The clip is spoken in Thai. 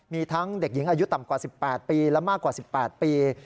มีทั้งเด็กหญิงอายุต่ำกว่า๑๘ปีและมากกว่า๑๘ปี